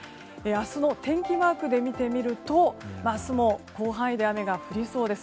明日の天気マークで見てみると明日も広範囲で雨が降りそうです。